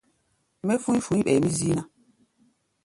Mɛ́ fú̧í̧ fu̧í̧ ɓɛɛ mí zíí ná.